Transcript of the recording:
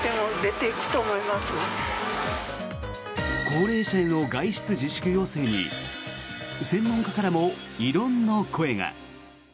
高齢者への外出自粛要請に専門家からも異論の声が。